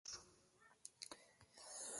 جنټیکي لوړوالی ټولنیز ټیټوالی بدل شو.